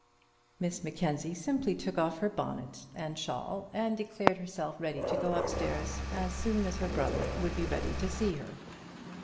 Miss Mackenzie simply took off her bonnet and shawl, and declared herself ready to go upstairs as soon as her brother would be ready to see her.